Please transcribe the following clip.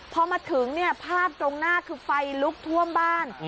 พอมาถึงเนี่ยภาพตรงหน้าคือไฟลุกท่วมบ้าน